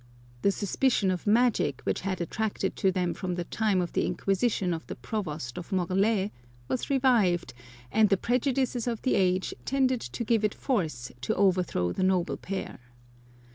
The suspicion of magic, which had attached to them from the time of the inquisition of the provost of Morlaix, was revived, and the prejudices of the age tended to give it force to overthrow the noble pair.